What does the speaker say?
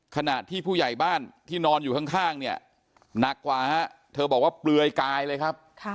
ขณะที่ผู้ใหญ่บ้านที่นอนอยู่ข้างเนี่ยหนักกว่าฮะเธอบอกว่าเปลือยกายเลยครับ